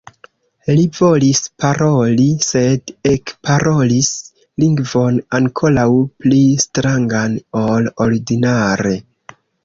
Li volis paroli, sed ekparolis lingvon ankoraŭ pli strangan ol ordinare.